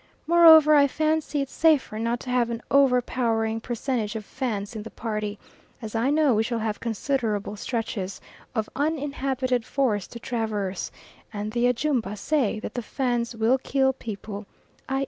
Moreover I fancy it safer not to have an overpowering percentage of Fans in the party, as I know we shall have considerable stretches of uninhabited forest to traverse; and the Ajumba say that the Fans will kill people, i.